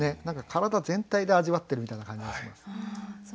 何か体全体で味わってるみたいな感じがします。